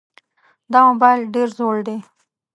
دا موبایل ډېر زوړ دی.